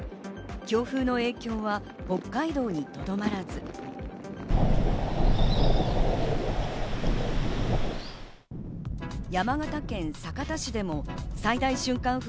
強風の影響は北海道にとどまらず、山形県酒田市でも最大瞬間